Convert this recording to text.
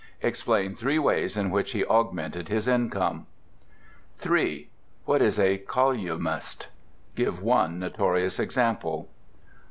Explain three ways in which he augmented his income. 3. What is a "colyumist"? Give one notorious example.